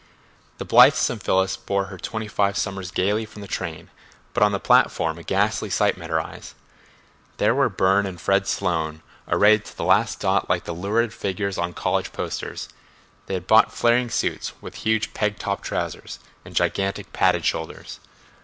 The blithesome Phyllis bore her twenty five summers gayly from the train, but on the platform a ghastly sight met her eyes. There were Burne and Fred Sloane arrayed to the last dot like the lurid figures on college posters. They had bought flaring suits with huge peg top trousers and gigantic padded shoulders.